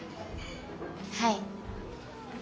はい。